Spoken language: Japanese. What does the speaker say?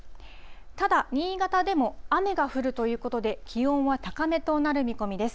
ただ、新潟でも雨が降るということで、気温は高めとなる見込みです。